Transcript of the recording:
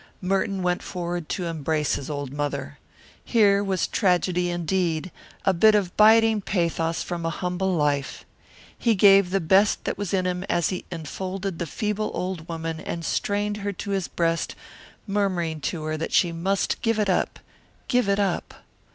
Merton went forward to embrace his old mother. Here was tragedy indeed, a bit of biting pathos from a humble life. He gave the best that was in him as he enfolded the feeble old woman and strained her to his breast, murmuring to her that she must give it up give it up.